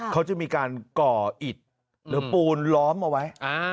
เขาจะมีการก่ออิดหรือปูนล้อมเอาไว้